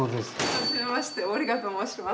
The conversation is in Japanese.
はじめましてオリガと申します。